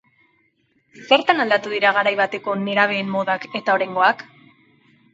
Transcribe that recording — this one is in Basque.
Zertan aldatu dira garai bateko nerabeen modak eta oraingoak?